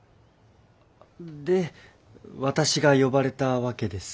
で私が呼ばれたわけですね。